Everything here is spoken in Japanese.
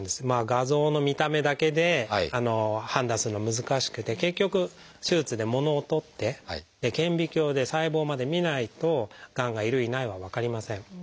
画像の見た目だけで判断するのは難しくて結局手術でものを取って顕微鏡で細胞までみないとがんがいるいないは分かりません。